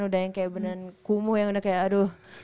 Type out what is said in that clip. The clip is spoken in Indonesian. udah yang kayak beneran kumuh yang udah kayak aduh